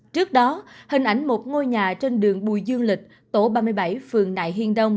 trước đó hình ảnh một ngôi nhà trên đường bùi dương lịch tổ ba mươi bảy phường nại hiên đông